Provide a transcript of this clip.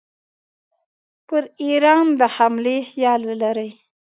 پر ایران د حملې خیال ولري.